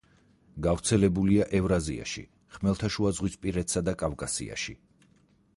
გავრცელებულია ევრაზიაში, ხმელთაშუაზღვისპირეთსა და კავკასიაში.